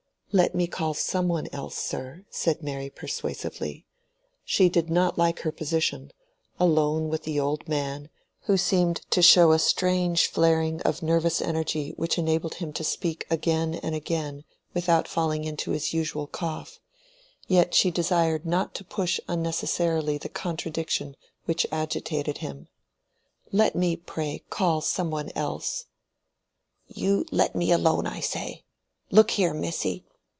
"Let me call some one else, sir," said Mary, persuasively. She did not like her position—alone with the old man, who seemed to show a strange flaring of nervous energy which enabled him to speak again and again without falling into his usual cough; yet she desired not to push unnecessarily the contradiction which agitated him. "Let me, pray, call some one else." "You let me alone, I say. Look here, missy.